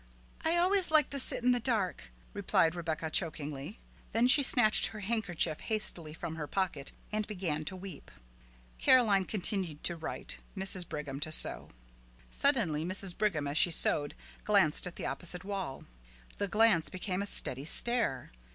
"I always like to sit in the dark," replied Rebecca chokingly. Then she snatched her handkerchief hastily from her pocket and began to weep. Caroline continued to write, Mrs. Brigham to sew. Suddenly Mrs. Brigham as she sewed glanced at the opposite wall. The glance became a steady stare.